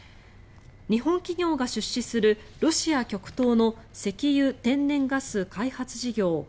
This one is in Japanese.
日本企業が出資するロシア極東の石油・天然ガス開発事業